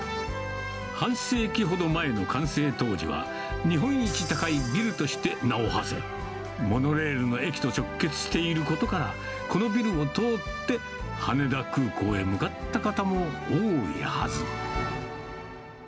半世紀ほどの前の完成当時は、日本一高いビルとして名をはせ、モノレールの駅と直結していることから、このビルを通って羽田空港へ向かった方も多いはず。